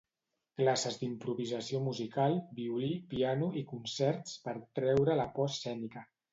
Classes d'improvisació musical, violí, piano i concerts per treure la por escènica.